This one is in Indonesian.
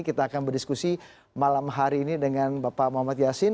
kita akan berdiskusi malam hari ini dengan bapak muhammad yasin